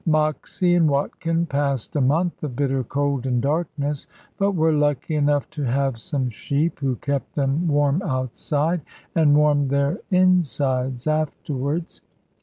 Moxy and Watkin passed a month of bitter cold and darkness, but were lucky enough to have some sheep, who kept them warm outside, and warmed their insides afterwards.